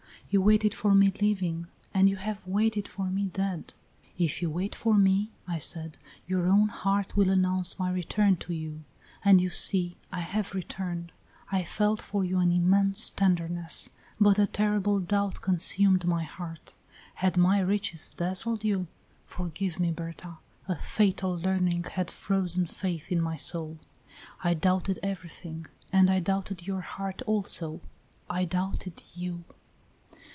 You waited for me living, and you have waited for me dead. 'If you wait for me,' I said, 'your own heart will announce my return to you,' and you see I have returned. I felt for you an immense tenderness, but a terrible doubt consumed my heart. Had my riches dazzled you? Forgive me, Berta. A fatal learning had frozen faith in my soul; I doubted everything, and I doubted your heart also I doubted you."